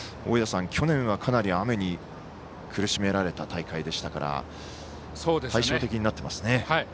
去年はかなり雨に苦しめられた大会でしたから対照的になっていますね。